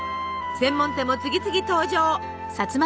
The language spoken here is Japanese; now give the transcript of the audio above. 専門店も次々登場。